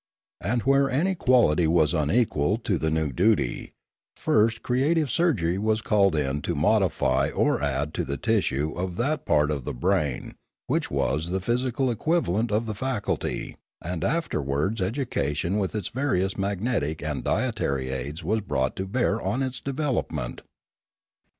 And where any quality was unequal to the new duty, first creative surgery was called in to modify or add to the tissue of that part of the brain which was the physical equivalent of the faculty, and afterwards education with its various magnetic and dietary aids was brought to bear on its development.